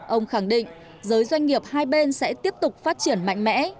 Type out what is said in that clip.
ông khẳng định giới doanh nghiệp hai bên sẽ tiếp tục phát triển mạnh mẽ